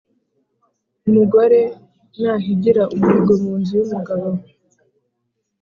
Umugore nahigira umuhigo mu nzu y umugabo